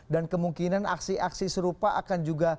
dan kemungkinan aksi aksi serupa akan juga